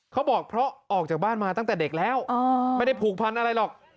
เขาบอกเพราะออกจากบ้านมาตั้งแต่เด็กแล้วไม่ได้ผูกพันอะไรหรอก